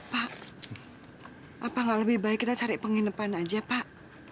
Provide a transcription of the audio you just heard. pak apakah lebih baik kita cari penginapan aja pak